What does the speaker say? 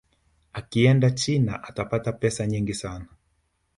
akienda china atapata pesa nyingi sana